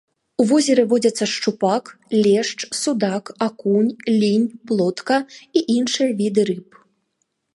У возеры водзяцца шчупак, лешч, судак, акунь, лінь, плотка і іншыя віды рыб.